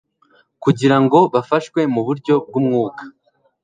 kugira ngo bafashwe mu buryo bw umwuka